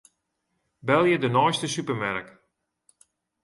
Belje de neiste supermerk.